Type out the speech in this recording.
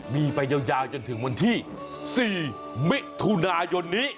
มีไปยาวจนถึงวันที่๔มิถุนายนนี้